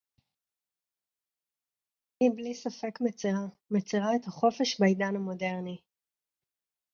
שהיא בלי ספק מצרה - מצרה את החופש בעידן המודרני